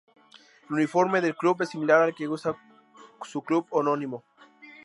El uniforme del club es similar al que usa su club homónimo.